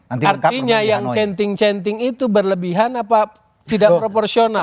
artinya yang chatting chanting itu berlebihan apa tidak proporsional